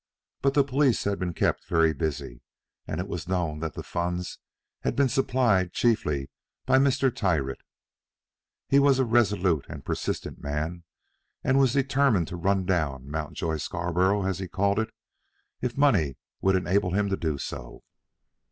But the police had been kept very busy, and it was known that the funds had been supplied chiefly by Mr. Tyrrwhit. He was a resolute and persistent man, and was determined to "run down" Mountjoy Scarborough, as he called it, if money would enable him to do so.